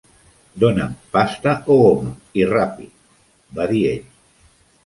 "Dona"m pasta o goma, i ràpid", va dir ell.